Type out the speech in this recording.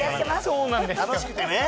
そうなんですか？